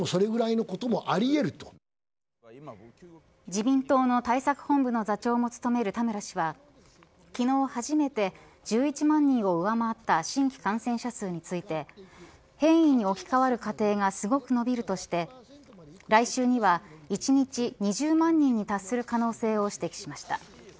自民党の対策本部の座長も務める田村氏は昨日、初めて１１万人を上回った新規感染者数について変異に置き換わる過程がすごく伸びるとして来週には１日２０万人に達する可能性を指摘しました。